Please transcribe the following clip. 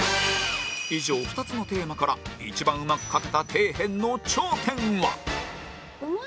以上２つのテーマから一番うまく描けた底辺の頂点は？